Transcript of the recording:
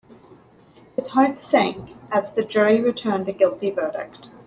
His heart sank as the jury returned a guilty verdict.